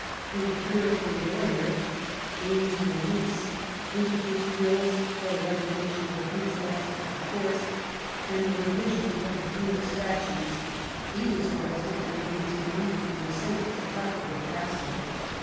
A Puritan lawyer, James Morice, introduced bills for the reformation of ecclesi astical courts and the revision of the penal statutes ; he was arrested in the Queen's name and was sent to Tutbury Castle.